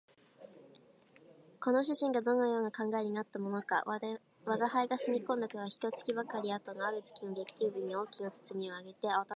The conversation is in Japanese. この主人がどういう考えになったものか吾輩の住み込んでから一月ばかり後のある月の月給日に、大きな包みを提げてあわただしく帰って来た